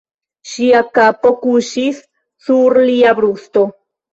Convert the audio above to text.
Ŝia kapo kuŝis sur lia brusto.